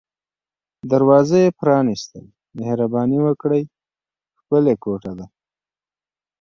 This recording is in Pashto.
دروازه یې پرانیستل، مهرباني وکړئ، ښکلې کوټه ده.